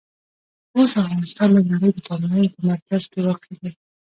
اوس افغانستان د نړۍ د پاملرنې په مرکز کې واقع دی.